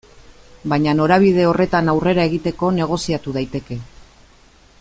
Baina norabide horretan aurrera egiteko negoziatu daiteke.